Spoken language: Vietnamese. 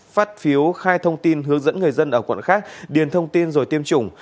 phát phiếu khai thông tin hướng dẫn người dân ở quận khác điền thông tin rồi tiêm chủng